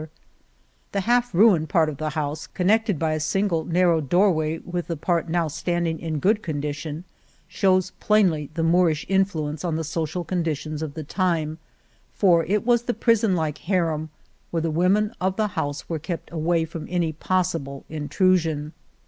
* There is * The half ruined part of the house, connected by a single nar row doorway with the part now standing in good condition, shows plainly the Moorish influence on the social conditions of the time, for it was the prison like harem where the women of the house were kept away from any possible intrusion.